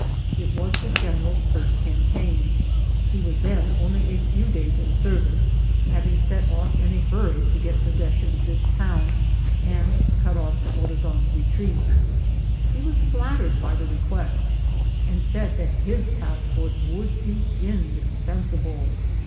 It was the general's first campaign. He was then only a few days in service, having set off in a hur ry to get possession of this town, and cut off Morazan's retreat. He was flattered by the request, and said that his passport would be indispensable.